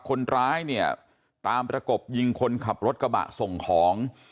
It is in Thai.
คนร้ายเนี่ยตามประกบยิงคนขับรถกระบะส่งของ